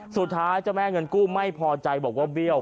เจ้าแม่เงินกู้ไม่พอใจบอกว่าเบี้ยว